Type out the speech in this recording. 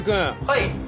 「はい」